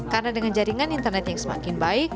karena dengan jaringan internet yang semakin baik